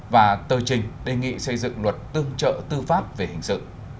và tờ trình đề nghị xây dựng luật tương trợ tư pháp về hình sự